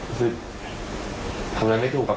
รู้สึกทำเนินไม่ถูกครับ